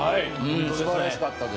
すばらしかったです。